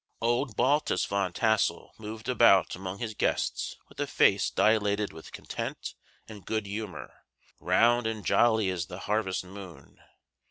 Old Baltus Van Tassel moved about among his guests with a face dilated with content and good humor, round and jolly as the harvest moon.